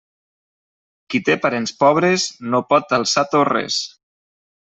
Qui té parents pobres no pot alçar torres.